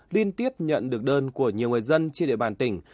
liên tiếp nhận được đơn của nhiều người dân trên địa bàn tỉnh